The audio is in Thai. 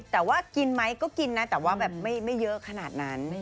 แต่ว่ากินไหมก็กินนะแต่ว่าแบบไม่เยอะขนาดนั้น